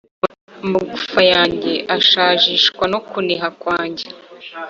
amagufka yanjye ashajishwa no kuniha kwanjye